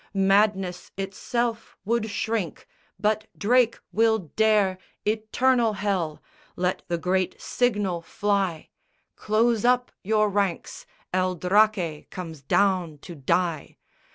Madness itself would shrink; but Drake will dare Eternal hell! Let the great signal fly Close up your ranks; El Draque comes down to die!